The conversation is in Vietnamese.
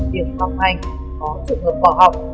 việc học hành có trường hợp bỏ học